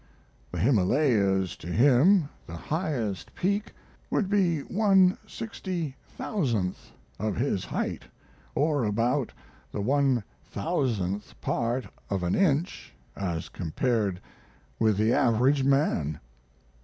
The Himalayas to him, the highest peak, would be one sixty thousandth of his height, or about the one thousandth part of an inch as compared with the average man."